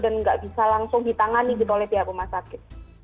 dan nggak bisa langsung ditangani gitu oleh pihak rumah sakit